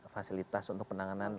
fasilitas untuk penanganan